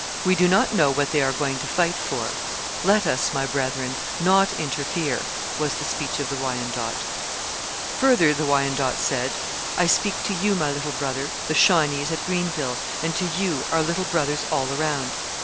We do not know what they are going to fight for. Let us, my brethren, not interfere, was the speech of the Wyandot. Further, the Wyandot said, I speak to you, my little brother, the Shawnees at Greenville, and to you our little brothers all around.